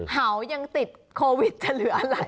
เห่ายังติดโควิดจะเหลืออะไร